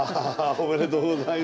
おめでとうございます。